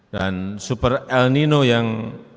dan super el nino yang